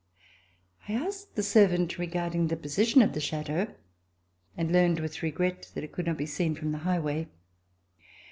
I asked my servant regarding the position of the chateau and learned with regret that it could not be seen from the high way.